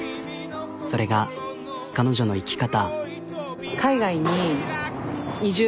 それが彼女の生き方。